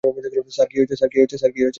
Sir, কী হয়েছে?